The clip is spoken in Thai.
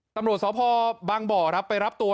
ตำรวจสพบางบ่อครับไปรับตัว